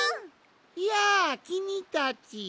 やあきみたち。